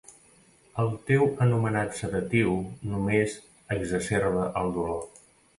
El teu anomenat sedatiu només exacerba el dolor.